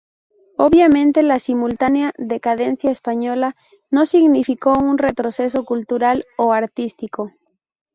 Obviamente, la simultánea decadencia española no significó un retroceso cultural o artístico.